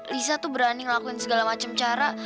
lisa tuh berani ngelakuin segala macam cara